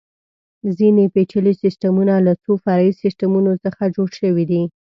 ځینې پېچلي سیسټمونه له څو فرعي سیسټمونو څخه جوړ شوي دي.